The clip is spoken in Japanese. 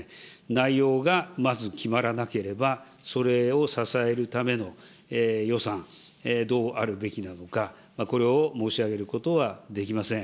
内容がまず決まらなければ、それを支えるための予算、どうあるべきなのか、これを申し上げることはできません。